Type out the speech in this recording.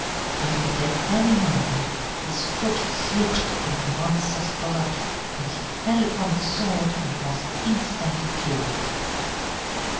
But at that very moment his foot slipped in the monster's blood, and he fell upon the sword and was instantly killed.